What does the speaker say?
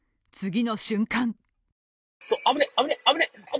次の瞬間